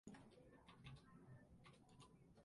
Several precursor kingdoms have had an Alfonso the First.